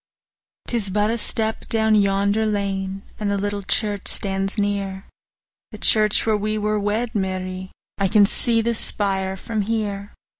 'Tis but a step down yonder lane, And the little church stands near, The church where we were wed, Mary, I see the spire from here.